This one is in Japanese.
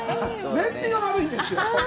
燃費が悪いんですよ。